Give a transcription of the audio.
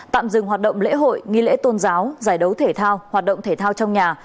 tạm dừng hoạt động lễ hội nghi lễ tôn giáo giải đấu thể thao hoạt động thể thao trong nhà